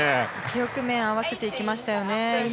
よく面を合わせていきましたね。